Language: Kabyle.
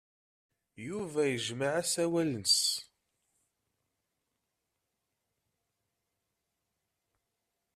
Yuba yejmeɛ asawal-nnes.